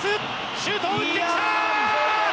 シュートを打ってきた！